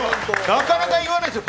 なかなか言わないですよ。